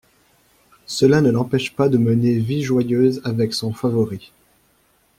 Cela ne l’empêche pas de mener vie joyeuse avec son favori.